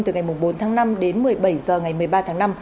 từ ngày bốn tháng năm đến một mươi bảy h ngày một mươi ba tháng năm